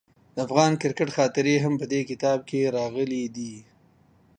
د افغان کرکټ خاطرې هم په دې کتاب کې راغلي دي.